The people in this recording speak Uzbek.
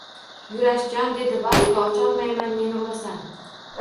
Yurashjon, – dedi Vasko, – ocholmayman, meni urasan.